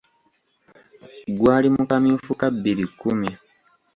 Gwali mu kamyufu ka bbiri kkumi.